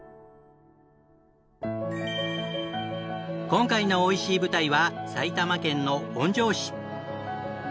今回のおいしい舞台は埼玉県の本庄市。